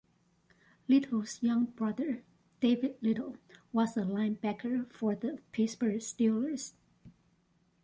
Little's younger brother, David Little, was a linebacker for the Pittsburgh Steelers.